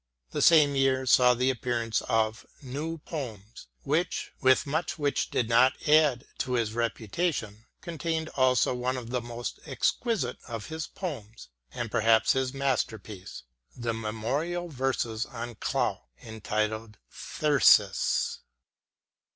The same year saw the appearance of " New Poems," which, with much which did not add to his reputation, contained also one of the most exquisite of his poems, and perhaps his masterpiece, the memorial verses on Clough entitled " Thyrsis."